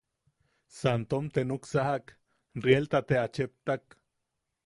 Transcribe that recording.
Santom te nuksajak, rielta te a cheptak.